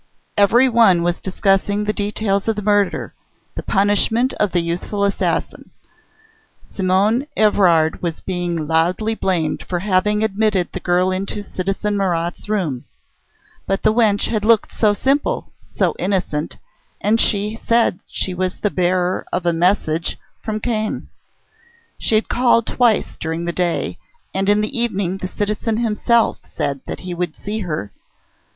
Every one was discussing the details of the murder, the punishment of the youthful assassin. Simonne Evrard was being loudly blamed for having admitted the girl into citizen Marat's room. But the wench had looked so simple, so innocent, and she said she was the bearer of a message from Caen. She had called twice during the day, and in the evening the citizen himself said that he would see her.